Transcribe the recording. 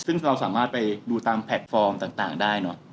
ซึ่งเราสามารถไปดูตามแพลตฟอร์มต่างได้เนอะ